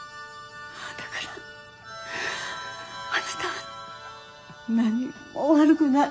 だからあなたは何も悪くない。